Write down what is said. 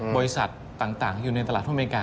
บริษัทต่างอยู่ในตลาดหุ้นอเมริกา